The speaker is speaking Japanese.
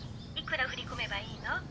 幾ら振り込めばいいの？